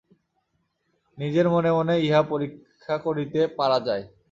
নিজের মনে মনেই ইহা পরীক্ষা করিতে পারা যায়।